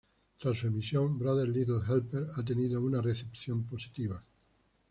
Tras su emisión, "Brother's Little Helper" ha tenido una recepción positiva.